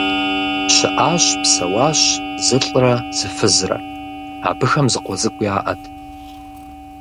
ЩыӀащ-псэуащ зылӀрэ зы фызрэ. Абыхэм зы къуэ цӀыкӀу яӀэт.